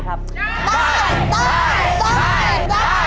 ได้